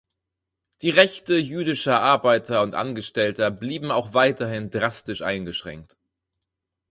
Die Rechte jüdischer Arbeiter und Angestellter blieben auch weiterhin drastisch eingeschränkt.